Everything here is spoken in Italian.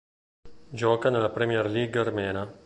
Gioca nella Premier League armena.